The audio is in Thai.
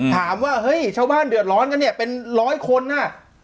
ถามว่าเฮ้ยชาวบ้านเดือดร้อนกันเนี่ยเป็นร้อยคนน่ะ